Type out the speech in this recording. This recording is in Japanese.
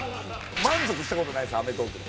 満足した事ないです『アメトーーク』で。